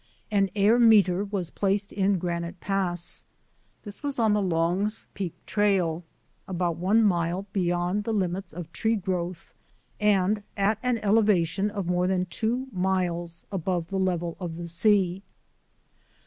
An air meter was placed in Granite Pass. This was on the Long's Peak trail, about one mile beyond the limits of tree growth and at an elevation of more than two miles above the level of the sea.